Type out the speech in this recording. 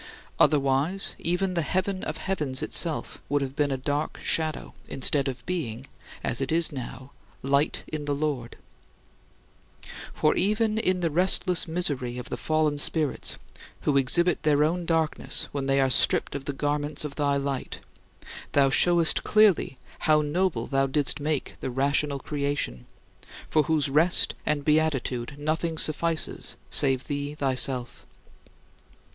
Otherwise, even the heaven of heavens itself would have been a dark shadow, instead of being, as it is now, light in the Lord. For even in the restless misery of the fallen spirits, who exhibit their own darkness when they are stripped of the garments of thy light, thou showest clearly how noble thou didst make the rational creation, for whose rest and beatitude nothing suffices save thee thyself.